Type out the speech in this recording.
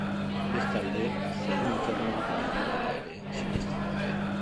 Bestalde, zeru-infernuak badirela ere sinesten dute.